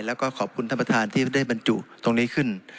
แล้วก็ขอบคุณท่านประธานที่ได้บรรจุตรงนี้ขึ้น